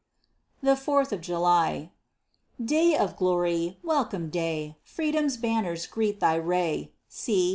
THE FOURTH OF JULY Day of glory! Welcome day! Freedom's banners greet thy ray; See!